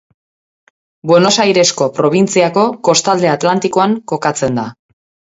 Buenos Airesko probintziako kostalde Atlantikoan kokatzen da.